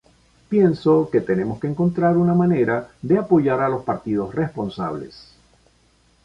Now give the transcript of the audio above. Pienso que tenemos que encontrar una manera de apoyar a los partidos responsables.